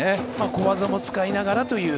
小技も使いながらという。